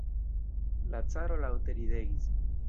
La caro laŭte ridegis.